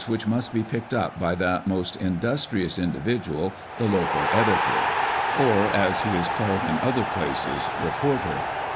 ] 351 which must be picked up by that most indus trious individual, the "local" editor, or as he is called in other places, "reporter."